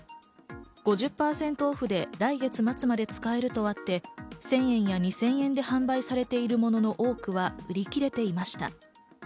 ５０％オフで来月末まで使えるとあって、１０００円や２０００円で販売されているものの多くは売り切れていました。